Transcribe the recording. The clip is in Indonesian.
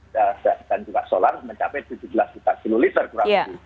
dan juga solar mencapai tujuh belas juta kiloliter kurang lebih